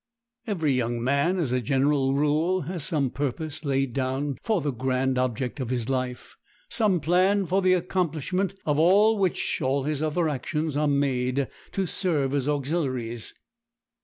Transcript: Every young man, as a general rule, has some purpose laid down for the grand object of his life—some plan, for the accomplishment of which all his other actions are made to serve as auxiliaries.